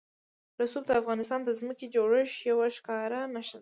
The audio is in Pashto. رسوب د افغانستان د ځمکې د جوړښت یوه ښکاره نښه ده.